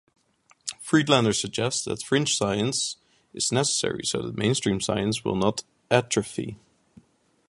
Friedlander suggests that fringe science is necessary so that mainstream science will not atrophy.